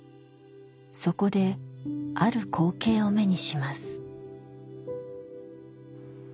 そこである光景を目にします。